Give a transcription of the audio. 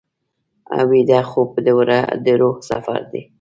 ویده خوب د روح سفر دی